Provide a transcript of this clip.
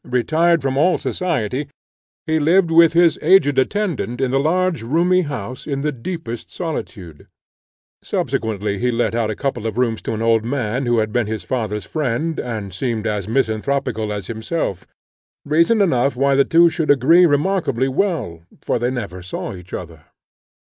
Retired from all society, he lived with his aged attendant in the large roomy house in the deepest solitude: subsequently he let out a couple of rooms to an old man, who had been his father's friend, and seemed as misanthropical as himself reason enough why the two should agree remarkably well, for they never saw each other.